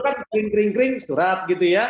kalau dulu kan kering kering surat gitu ya